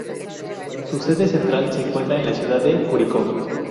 Su sede central se encuentra en la ciudad de Curicó.